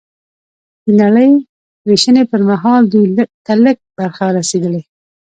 د نړۍ وېشنې پر مهال دوی ته لږ برخه رسېدلې